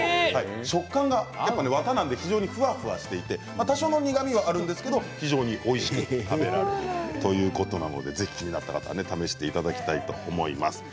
食感がわたなのでふわふわしていて多少の苦みがあるんですけれども非常においしく食べられるということなのでぜひ試していただきたいと思います。